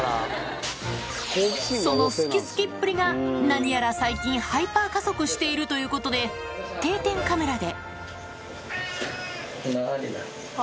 その好き好きっぷりが、何やら最近、ハイパー加速しているということで、定点カメラで。